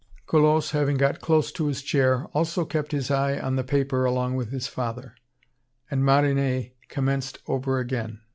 Colosse, having got close to his chair, also kept his eye on the paper along with his father. And Marinet commenced over again.